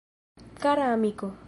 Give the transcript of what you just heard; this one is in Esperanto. Kara amiko.